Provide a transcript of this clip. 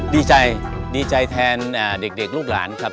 ดีใจดีใจแทนเด็กลูกหลานครับ